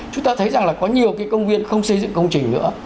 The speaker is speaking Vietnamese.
chúng ta thấy rằng là có nhiều cái công viên không xây dựng công trình nữa